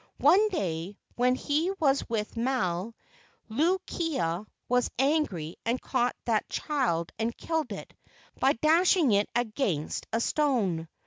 One day, when he went with Maile, Luu kia was angry and caught that child and killed it by dashing it against a stone.